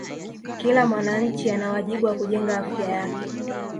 Kila mwananchi ana wajibu wa kujenga Afya yake